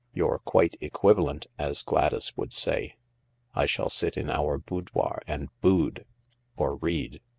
You're quite equivalent, as Gladys would say. I shall sit in our boudoir and boud— or read.